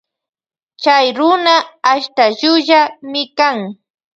Chy runa ashta llullami kan.